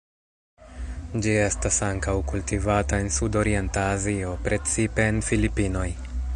Ĝi estas ankaŭ kultivata en Sudorienta Azio, precipe en Filipinoj.